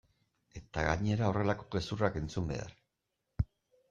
Eta gainera horrelako gezurrak entzun behar!